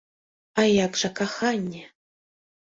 А як жа каханне?